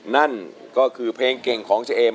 นั่นก็คือเพลงเก่งของเจเอม